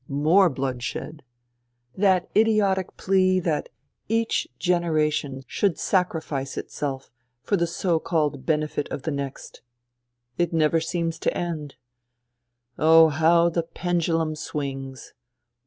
More bloodshed. That idiotic plea that each generation should sacrifice itself for the so called benefit of the next I It never seems to end. ... Oh, how the pendulum swings